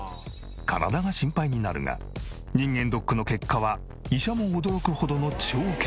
体が心配になるが人間ドックの結果は医者も驚くほどの超健康だという。